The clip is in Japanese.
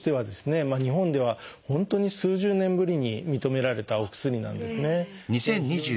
日本では本当に数十年ぶりに認められたお薬なんですね。